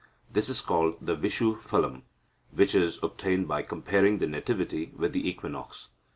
This is called the Vishu phalam, which is obtained by comparing the nativity with the equinox.